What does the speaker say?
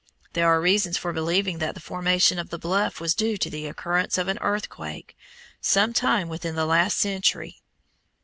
There are reasons for believing that the formation of the bluff was due to the occurrence of an earthquake some time within the last century.